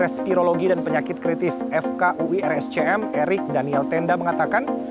respirologi dan penyakit kritis fkuirscm erik daniel tenda mengatakan